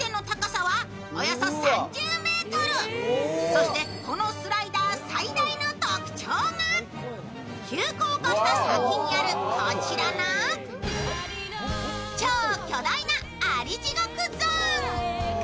そしてこのスライダー最大の特徴が急降下した先にあるこちらの超巨大なアリ地獄ゾーン。